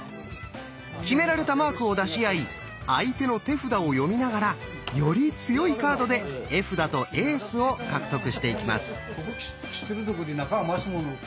決められたマークを出し合い相手の手札をよみながらより強いカードで絵札とエースを獲得していきます。